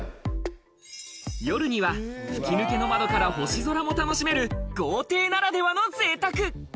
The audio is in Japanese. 夜には吹き抜けの窓から星空も楽しめる、豪邸ならではの贅沢。